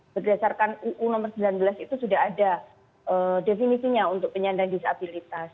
berdasarkan uu nomor sembilan belas itu sudah ada definisinya untuk penyandang disabilitas